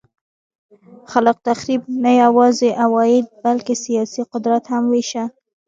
خلاق تخریب نه یوازې عواید بلکه سیاسي قدرت هم وېشه.